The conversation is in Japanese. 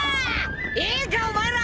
いいかお前ら！